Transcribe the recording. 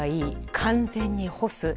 完全に干す。